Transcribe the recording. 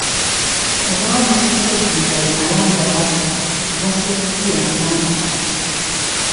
Ogumu ogusibuka e Jjinja ye Mayanja Wasswa, ogw'e Sseguku ye Mayanja Kato.